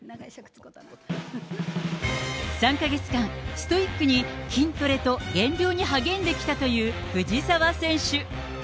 ３か月間、ストイックに筋トレと減量に励んできたという藤澤選手。